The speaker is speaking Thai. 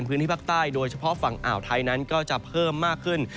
เพราะฝั่งอ่าวไทยนั้นก็จะเพิ่มมากขึ้น